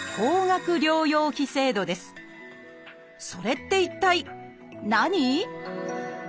それって一体何？